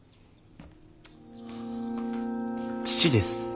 父です。